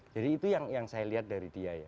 jadi itu yang saya lihat dari dia ya